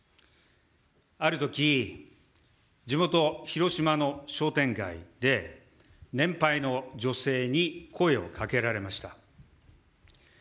あるとき、地元広島の商店街で年配の女性に声をかけられました。